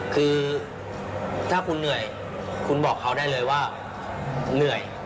คือถ้าคุณเหนื่อยคุณบอกเขาได้เลยว่าผมเหนื่อย